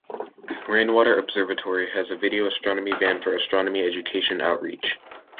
Rainwater Observatory has a video astronomy van for astronomy education outreach.